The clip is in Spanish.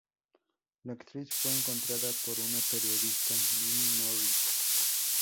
La actriz fue encontrada por una periodista, Minnie Morris.